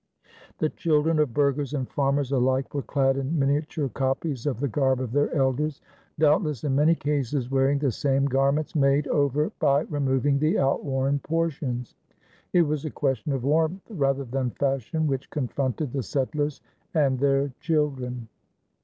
The children of burghers and farmers alike were clad in miniature copies of the garb of their elders, doubtless in many cases wearing the same garments made over by removing the outworn portions. It was a question of warmth rather than fashion which confronted the settlers and their children.